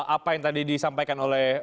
apa yang tadi disampaikan oleh bang noel